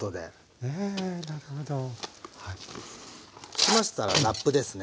つけましたらラップですね。